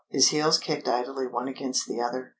His heels kicked idly one against the other.